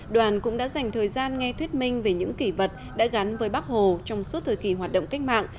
đoàn cũng đã dành thời gian nghe thuyết minh về những kỷ vật đã gắn với bắc hồ trong suốt thời kỳ hoạt động cách mạng